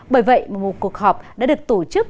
bởi vậy một cuộc họp đã được tổ chức